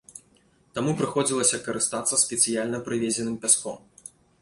Таму прыходзілася карыстацца спецыяльна прывезеным пяском.